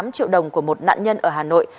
tám triệu đồng của một nạn nhân ở hà nội